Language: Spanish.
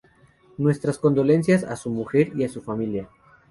Nuestras condolencias a su mujer y a su familia.